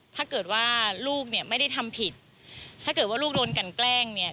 ถ้าเกิดว่าลูกเนี่ยไม่ได้ทำผิดถ้าเกิดว่าลูกโดนกันแกล้งเนี่ย